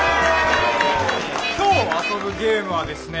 今日遊ぶゲームはですね